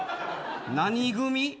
何組？